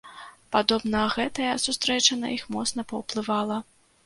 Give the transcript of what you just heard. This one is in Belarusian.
Падобна, гэтая сустрэча на іх моцна паўплывала.